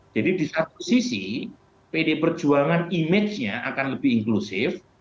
jadi di satu sisi pd perjuangan image nya akan lebih inklusif